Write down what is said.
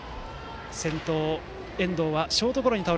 先頭の遠藤はショートゴロです。